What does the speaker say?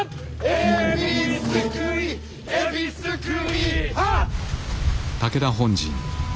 「海老すくい海老すくいハァ」